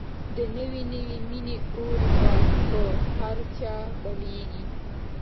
د نوې نوې مینې اور به په هر چا بلېږي